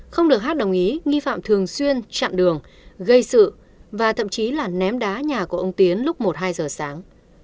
không được hát đồng ý nghi phạm thường xuyên chặn đường gây sự và thậm chí là ném đá nhà của ông tiến lúc một hai giờ sáng